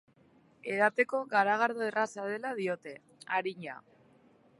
Edateko garagardo erraza dela diote, arina.